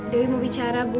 dewi mau bicara bu